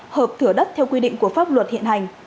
hợp thửa đất theo quy định của pháp luật hiện hành